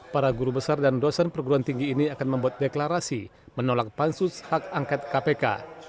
para guru besar dan dosen perguruan tinggi ini akan membuat deklarasi menolak pansus hak angket kpk